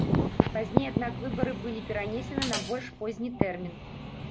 Пазней аднак выбары былі перанесены на больш позні тэрмін.